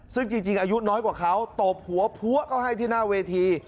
ซึ่งจริงอายุน้อยกว่าเขาตบหัวพัวเขาให้ที่หน้าเวที